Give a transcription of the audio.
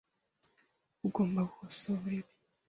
Ugomba gukosora ibi.